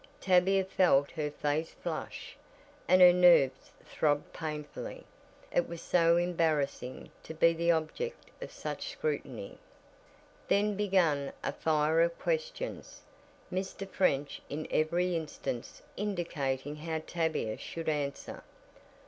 Tavia felt her face flush, and her nerves throb painfully. It was so embarassing to be the object of such scrutiny. Then began a fire of questions, Mr. French in every instance indicating how Tavia should answer.